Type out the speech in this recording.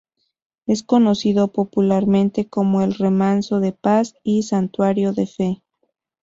Es conocido popularmente como el remanso de paz y santuario de fe.